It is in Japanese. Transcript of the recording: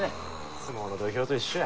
相撲の土俵と一緒や。